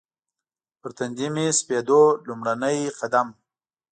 پر تندي مې سپېدو لومړی قدم